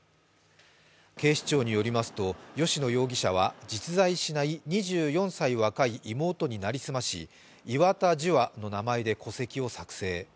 警視庁によりますと、吉野容疑者は実在しない２４歳若い妹に成りすまし、岩田樹亜の名前で戸籍を作成。